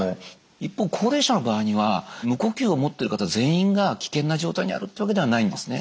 一方高齢者の場合には無呼吸を持っている方全員が危険な状態にあるっていうわけではないんですね。